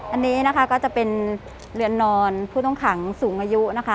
อันนี้ก็จะเป็นเรือนนอนผู้ต้องขังสูงอายุ